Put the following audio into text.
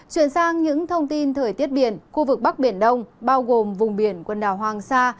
chuyển sang những thông tin thời tiết biển khu vực bắc biển đông bao gồm vùng biển quần đảo hoàng sa